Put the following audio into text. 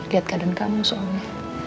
lihat keadaan kamu soalnya